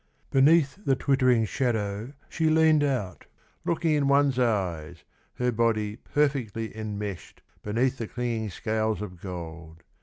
Beneath the twittering shadow She leaned out, looking in one's eyes, Her body perfectly enmeshed Beneath the clinging scales of gold.